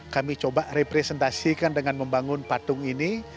kami coba representasikan dengan membangun patung ini